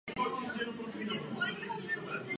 Týmy Bulharsko a Francie měly stejný počet bodů.